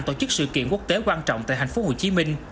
tổ chức sự kiện quốc tế quan trọng tại tp hcm